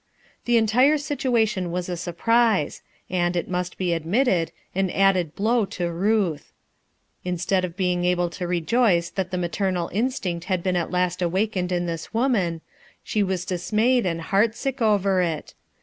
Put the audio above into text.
The entire situation was a sur prise t and it must be admitted, an added blow to Ruth Instead of being able to rejoice that the maternal instinct had been at last awakened in this woman , she was dismayed and heartsick over it.